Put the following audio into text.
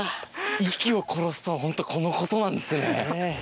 息を殺すとはホントこのことなんですね。